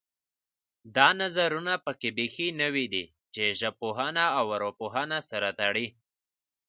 دا نظرونه پکې بیخي نوي دي چې ژبپوهنه او ارواپوهنه سره تړي